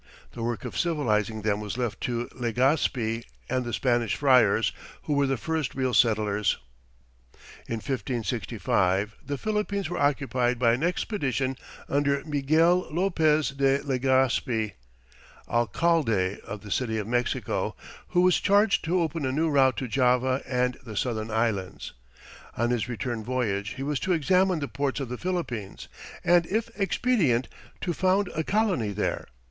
The work of civilizing them was left to Legaspi and the Spanish friars, who were the first real settlers. In 1565, the Philippines were occupied by an expedition under Miguel Lopez de Legaspi, alcalde of the City of Mexico, who was charged to open a new route to Java and the Southern Islands. On his return voyage he was to examine the ports of the Philippines, and, if expedient, to found a colony there.